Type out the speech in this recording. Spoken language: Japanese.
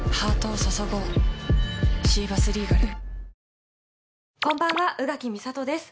はじまるこんばんは宇垣美里です